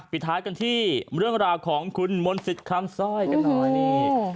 ปิดท้ายกันที่เรื่องราวของคุณมนต์สิทธิ์คำซ่อยกันหน่อยนี่